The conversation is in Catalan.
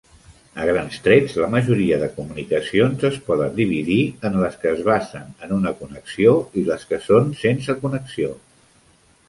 A grans trets, la majoria de comunicacions es poden dividir en les que es basen en una connexió i les que són sense connexió.